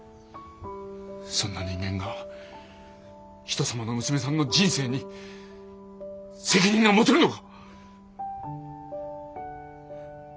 そんな人間が人様の娘さんの人生に責任が持てるのか！